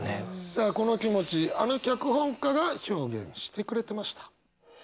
さあこの気持ちあの脚本家が表現してくれてました。